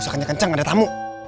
kenceng ada tamu